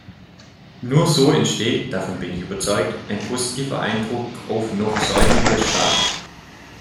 Nur so entsteht davon bin ich überzeugt ein positiver Druck auf noch säumige Staaten.